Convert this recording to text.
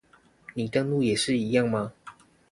你登入也是一樣嗎？